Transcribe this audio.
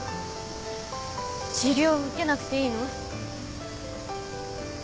治療受けなくていいの？